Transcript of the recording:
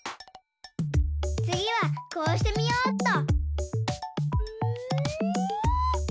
つぎはこうしてみようっと。